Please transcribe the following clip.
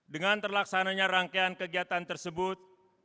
dengan terlaksananya rangkaian kegiatan tersebut